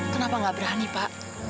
kenapa gak berani pak